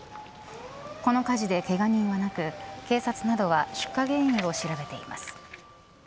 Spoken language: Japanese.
この火事で、けが人はなく警察などは出火原因を調べています。